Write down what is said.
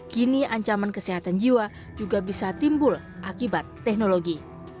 kini ancaman kesehatan jiwa juga bisa timbul akibat teknologi